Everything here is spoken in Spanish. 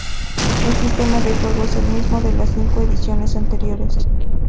El sistema de juego es el mismo de las cinco ediciones anteriores.